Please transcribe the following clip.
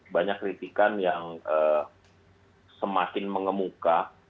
banyak kritikan yang semakin mengemuka